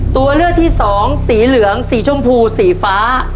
ตัวเลือกที่สองสีเหลืองสีชมพูสีฟ้า